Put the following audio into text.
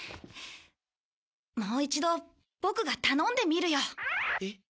もう一度ボクが頼んでみるよ。え？